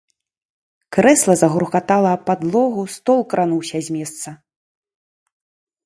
Крэсла загрукатала аб падлогу, стол крануўся з месца.